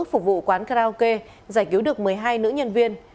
phục vụ quán karaoke giải cứu được một mươi hai nữ nhân viên